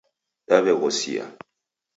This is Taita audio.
Daw'eghosia